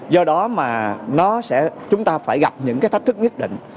do đó mà chúng ta phải gặp những thách thức nhất định